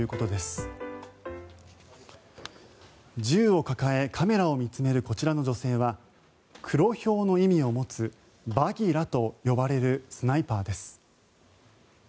銃を抱え、カメラを見つめるこちらの女性はクロヒョウの意味を持つバギラと呼ばれるスナイパーです。